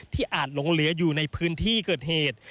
อาจหลงเหลืออยู่ในพื้นที่เกิดเหตุ